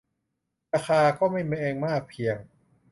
ราคาก็ไม่แพงมากเพียง